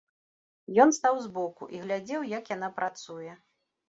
Ён стаў збоку і глядзеў, як яна працуе.